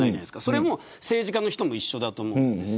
それも政治家の人も一緒だと思います。